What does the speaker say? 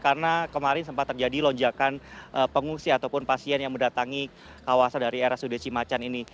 karena kemarin sempat terjadi lonjakan pengungsi ataupun pasien yang mendatangi kawasan dari rsud cimacan ini